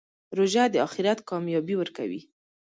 روژه د آخرت کامیابي ورکوي.